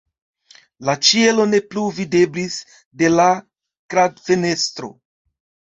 La ĉielo ne plu videblis de la kradfenestro.